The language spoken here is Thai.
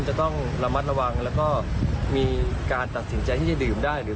จะต้องระมัดระวังแล้วก็มีการตัดสินใจที่จะดื่มได้หรือ